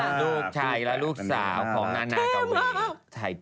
ลูกชายและลูกสาวของนานาเกาหลี